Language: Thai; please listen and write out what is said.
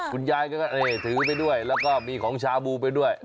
คุณยายก็ถือไปด้วยแล้วก็มีของชาบูไปด้วย